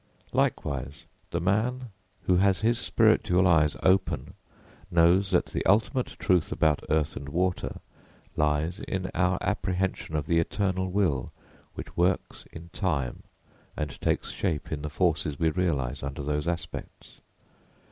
Likewise the man who has his spiritual eyes open knows that the ultimate truth about earth and water lies in our apprehension of the eternal will which works in time and takes shape in the forces we realise under those aspects.